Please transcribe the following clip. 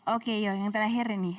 oke yang terakhir ini